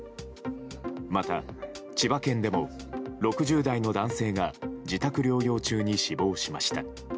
また、千葉県でも６０代の男性が自宅療養中に死亡しました。